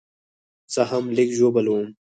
زه هم لږ ژوبل وم